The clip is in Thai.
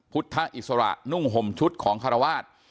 พุทธอิสระนุ่งห่มชุดของคารวาส